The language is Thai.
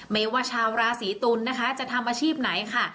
ไม่ว่าชาวราศีตุลนะคะจะทำอาชีพไหนค่ะ